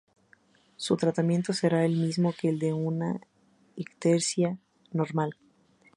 Su tratamiento será el mismo que el de una ictericia normal.